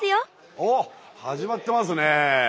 おっ始まってますね。